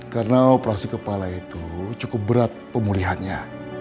karena operasi kepala itu cukup berat pemulihannya